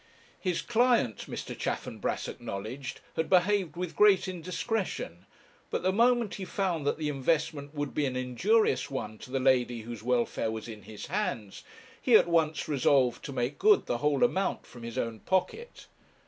His client, Mr. Chaffanbrass acknowledged, had behaved with great indiscretion; but the moment he found that the investment would be an injurious one to the lady whose welfare was in his hands, he at once resolved to make good the whole amount from his own pocket.